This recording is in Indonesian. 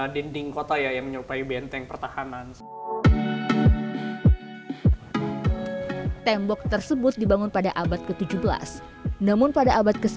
dinding kota ya yang menyerupai benteng pertahanan tembok tersebut dibangun pada abad ke tujuh belas namun pada abad ke sembilan